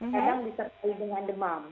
kadang disertai dengan demam